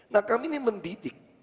nah kami ini mendidik